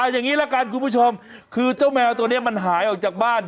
อย่างนี้ละกันคุณผู้ชมคือเจ้าแมวตัวนี้มันหายออกจากบ้าน